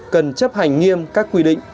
cần chấp hành nghiêm các quy định